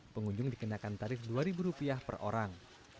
pengunjung dikenakan tarif dua ribu rupiah per orang